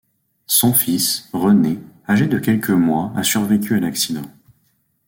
Son fils, René, âgé de quelques mois, a survécu à l'accident.